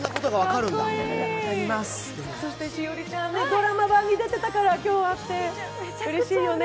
そして栞里ちゃんね、ドラマ版に出てたから今日会ってうれしいよね。